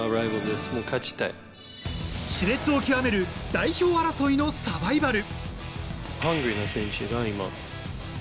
し烈を極める代表争いのサバイバル。